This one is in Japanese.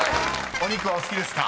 ［お肉はお好きですか？］